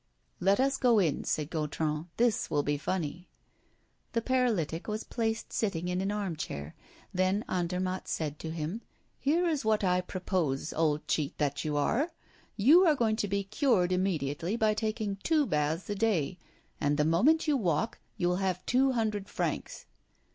"Let us go in," said Gontran, "this will be funny." The paralytic was placed sitting in an armchair. Then Andermatt said to him: "Here is what I propose, old cheat that you are. You are going to be cured immediately by taking two baths a day. And the moment you walk you'll have two hundred francs."